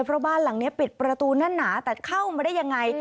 เพราะบ้านหลังนี้ปิดประตูแน่นหนาแต่เข้ามาได้ยังไง